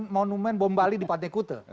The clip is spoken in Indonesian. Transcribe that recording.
monumen bom bali di pantai kute